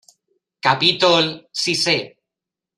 Capítol VI.